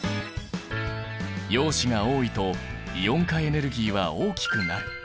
陽子が多いとイオン化エネルギーは大きくなる。